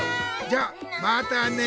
じゃまたね。